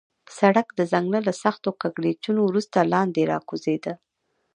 سړک د ځنګله له سختو کږلېچونو وروسته لاندې راکوزېده.